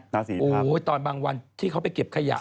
ทาสีทัพโอ้โฮตอนบางวันที่เขาไปเก็บขยะ